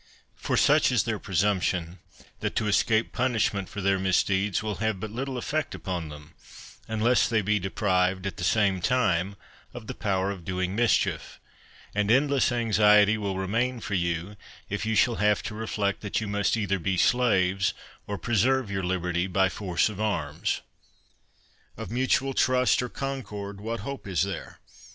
For such is their presumption, that to escape punishment for their misdeeds will have but lit tle effect upon them, unless they be deprived, at the same time, of the power of doing mis chief ; and endless anxiety will remain for you, if you shall have to reflect that you must either be slaves or preserve your liberty by force of arms. Of mutual trust, or concord, what hope is there?